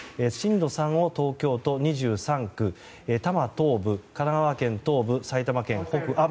震度３を東京都２３区多摩東部、神奈川県東部埼玉県北部。